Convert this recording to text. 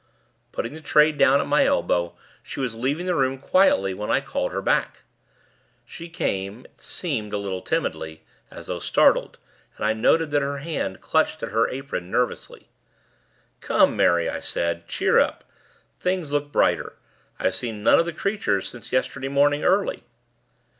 Putting the tray down at my elbow, she was leaving the room, quietly, when I called her back. She came, it seemed, a little timidly, as though startled; and I noted that her hand clutched at her apron, nervously. 'Come, Mary,' I said. 'Cheer up! Things look brighter. I've seen none of the creatures since yesterday morning, early.'